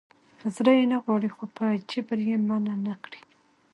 زړه یې نه غواړي خو په جبر یې منع نه کړي.